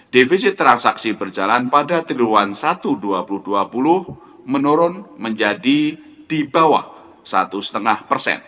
defisit transaksi berjalan pada tribuan satu dua ribu dua puluh menurun menjadi di bawah satu lima persen